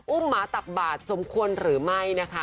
อุ้มหมาตับบาดสมควรหรือไม่